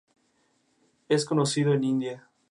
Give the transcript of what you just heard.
Es conocido en India.